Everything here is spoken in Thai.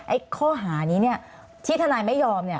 ข้อหานี้เนี่ยที่ทนายไม่ยอมเนี่ย